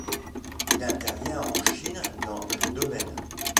Il intervient en Chine dans tous les domaines.